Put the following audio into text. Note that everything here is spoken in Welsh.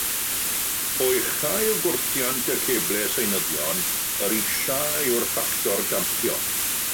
Po uchaf yw gwrthiant y ceblau seinyddion, yr isaf yw'r ffactor dampio.